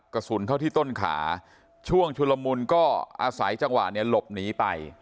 กระสุนเข้าที่ต้นขาช่วงชุลมุนก็อาศัยจังหวะเนี่ยหลบหนีไป